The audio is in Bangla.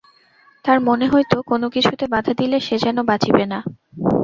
তাঁর মনে হইত, কোনো কিছুতে বাধা দিলে সে যেন বাঁচিবে না।